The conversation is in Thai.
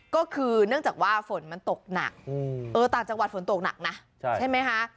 ก็คือเนื่องจากว่าฝนมันตกหนักต่างจังหวัดฝนตกหนักนะใช่ไหมคะ